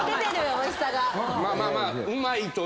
おいしさが。